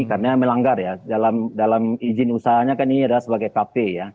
karena melanggar ya dalam izin usahanya kan ini adalah sebagai kp ya